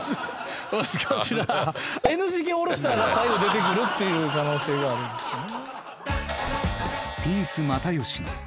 「難しいなぁ」。が最後出てくるっていう可能性があるんですよね。